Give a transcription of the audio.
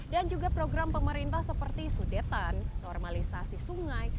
dan juga program pemerintah seperti sudetan normalisasi sungai